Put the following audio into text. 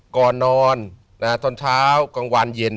ก่อนนอนตอนเช้ากลางวันเย็น